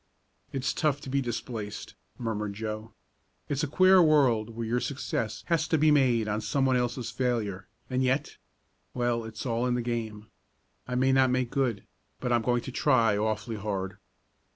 "It's tough to be displaced," murmured Joe. "It's a queer world where your success has to be made on someone else's failure, and yet well, it's all in the game. I may not make good, but I'm going to try awfully hard!"